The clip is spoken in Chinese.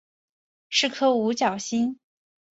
是颗五角星。